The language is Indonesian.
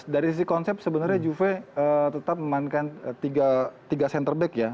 dari sisi konsep sebenarnya juve tetap memainkan tiga center back ya